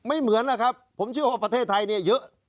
เหมือนนะครับผมเชื่อว่าประเทศไทยเนี่ยเยอะ